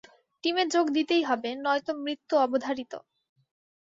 টিমে যোগ দিতেই হবে নয়তো মৃত্যু অবধারিত।